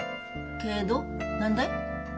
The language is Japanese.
けど何だい？